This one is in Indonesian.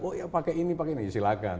oh ya pakai ini pakai ini silakan